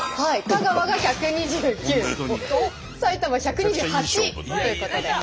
香川が１２９埼玉１２８ということで。